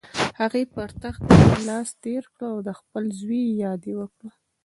هغې پر تخت باندې لاس تېر کړ او د خپل زوی یاد یې وکړ.